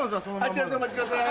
あちらでお待ちください。